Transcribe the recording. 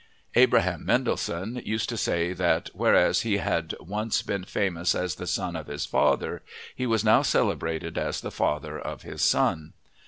Abraham Mendelssohn used to say that, whereas he had once been famous as the son of his father, he was now celebrated as the father of his son.